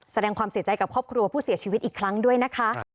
แสดงความเสียใจกับครอบครัวผู้เสียชีวิตอีกครั้งด้วยนะคะ